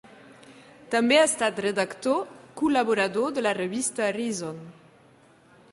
També ha estat redactor col·laborador de la revista "Reason".